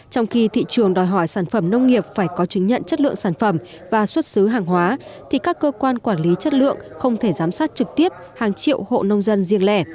trong khi thị trường đòi hỏi sản phẩm nông nghiệp phải có chứng nhận chất lượng sản phẩm và xuất xứ hàng hóa thì các cơ quan quản lý chất lượng không thể giám sát trực tiếp hàng triệu hộ nông dân riêng lẻ